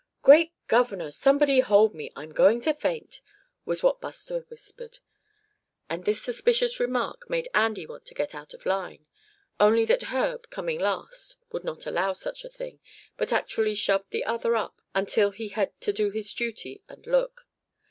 "Great governor! somebody hold me. I'm going to faint!" was what Buster whispered; and this suspicious remark made Andy want to get out of line, only that Herb, coming last, would not allow such a thing, but actually shoved the other up until he just had to do his duty and look.